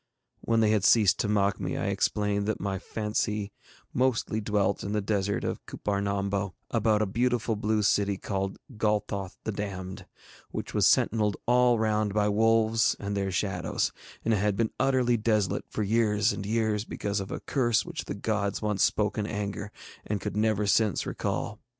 When they had ceased to mock me, I explained that my fancy mostly dwelt in the desert of Cuppar Nombo, about a beautiful blue city called Golthoth the Damned, which was sentinelled all round by wolves and their shadows, and had been utterly desolate for years and years because of a curse which the gods once spoke in anger and could never since recall.